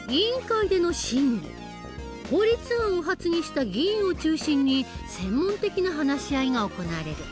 法律案を発議した議員を中心に専門的な話し合いが行われる。